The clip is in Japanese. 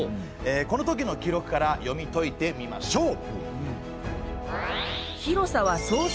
この時の記録から読み解いてみましょう。